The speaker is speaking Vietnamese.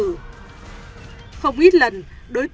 không ít lần đối tượng tân đã chặn đường đi học của cháu để đòi yêu